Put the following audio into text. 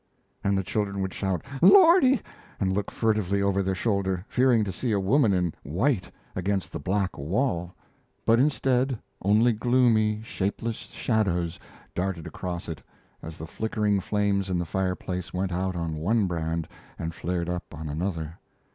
And the children would shout "Lordy!" and look furtively over their shoulders, fearing to see a woman in white against the black wall; but, instead, only gloomy, shapeless shadows darted across it as the flickering flames in the fireplace went out on one brand and flared up on another.